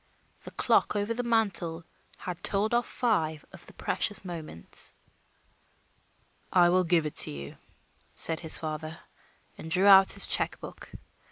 The clock over the mantel had told off five of the precious moments. "I will give it to you," said his father, and drew out his check book.